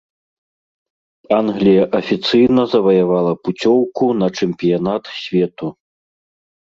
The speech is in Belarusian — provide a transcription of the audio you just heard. Англія афіцыйна заваявала пуцёўку на чэмпіянат свету.